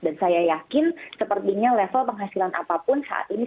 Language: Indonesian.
dan saya yakin sepertinya level penghasilan apapun saat ini